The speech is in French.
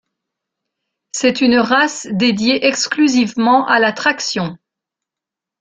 C'est une race dédiée exclusivement à la traction.